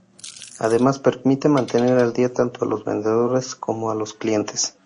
Además permite mantener al día tanto a los vendedores como a los clientes.